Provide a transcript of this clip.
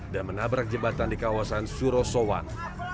dan menabrak jebatan di kawasan surosowan